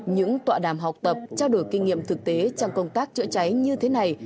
những tọa đàm học tập trao đổi kinh nghiệm thực tế trong công tác chữa cháy như thế này